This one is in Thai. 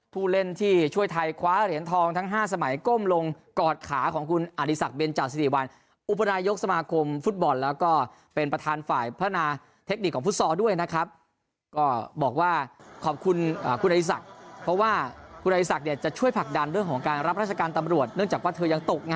ผู้เล่นที่ช่วยไทยคว้าเหรียญทองทั้ง๕สมัยก้มลงกอดขาของคุณอดีศักดิเบนจาสิริวัลอุปนายกสมาคมฟุตบอลแล้วก็เป็นประธานฝ่ายพัฒนาเทคนิคของฟุตซอลด้วยนะครับก็บอกว่าขอบคุณคุณอริสักเพราะว่าคุณไอศักดิ์เนี่ยจะช่วยผลักดันเรื่องของการรับราชการตำรวจเนื่องจากว่าเธอยังตก